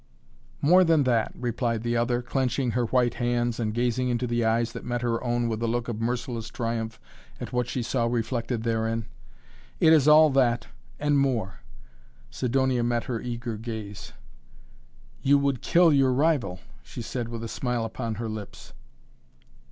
"More than that," replied the other, clenching her white hands and gazing into the eyes that met her own with a look of merciless triumph at what she saw reflected therein. "It is all that and more " Sidonia met her eager gaze. "You would kill your rival!" she said with a smile upon her lips.